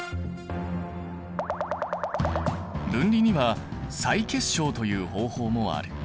分離には再結晶という方法もある。